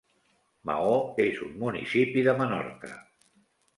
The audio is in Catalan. Maó és un municipi de Menorca.